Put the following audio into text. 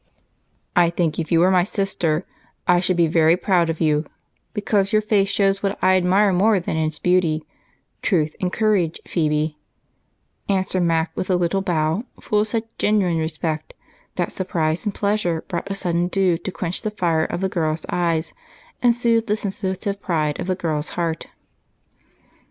"I think if you were my sister, I should be very proud of you, because your face shows what I admire more than its beauty truth and courage, Phebe," answered Mac with a little bow full of such genuine respect that surprise and pleasure brought a sudden dew to quench the fire of the girl's eyes and soothe the sensitive pride of the girl's heart.